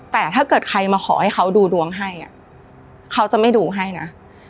แต่ถ้าเกิดใครมาขอให้เขาดูดวงให้เขาจะไม่ดูให้นะ